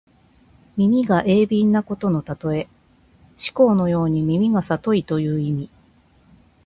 耳が鋭敏なことのたとえ。師曠のように耳がさといという意味。